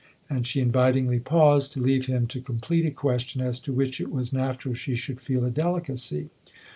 " And she invitingly paused, to leave him to complete a question as to which it was natural she should feel a delicacy.